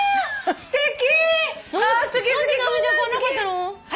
すてき。